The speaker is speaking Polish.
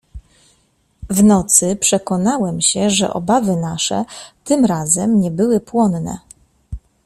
"W nocy przekonałem się, że obawy nasze, tym razem, nie były płonne."